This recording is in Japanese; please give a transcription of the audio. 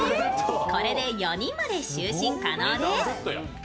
これで４人まで就寝可能です。